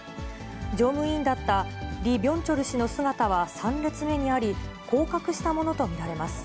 常務委員だったリ・ビョンチョル氏の姿は３列目にあり、降格したものと見られます。